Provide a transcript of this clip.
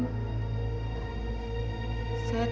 saya tidak mau harta saya berkurang